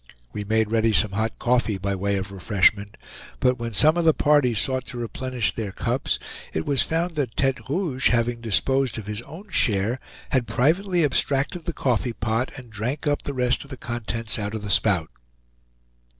We made ready some hot coffee by way of refreshment; but when some of the party sought to replenish their cups, it was found that Tete Rouge, having disposed of his own share, had privately abstracted the coffee pot and drank up the rest of the contents out of the spout.